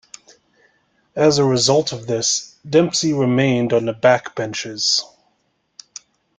As a result of this Dempsey remained on the backbenches.